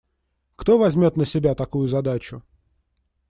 Кто возьмет на себя такую задачу?